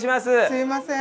すいません。